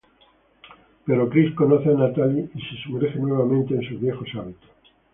Pero Chris conoce a Natalie y se sumerge nuevamente en sus viejos hábitos.